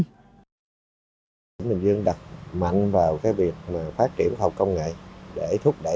tỉnh bình dương đặt mạnh vào việc phát triển khoa học công nghệ